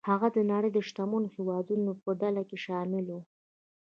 هغه د نړۍ د شتمنو هېوادونو په ډله کې شامل و.